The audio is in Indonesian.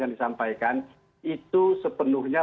yang disampaikan itu sepenuhnya